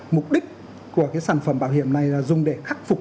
mục đích của sản phẩm bảo hiểm này là dùng để khắc phục